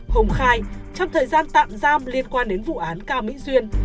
hùng khai trong thời gian tạm giam liên quan đến vụ án cao mỹ duyên